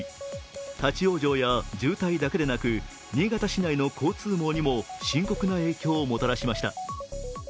立往生や渋滞だけでなく新潟市内の交通網にも深刻な影響をもたらしました。